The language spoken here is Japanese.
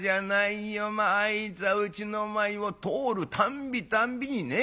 まああいつはうちの前を通るたんびたんびにね